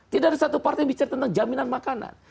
tidak ada satu partai yang bicara tentang jaminan makanan